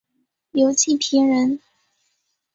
刘季平人。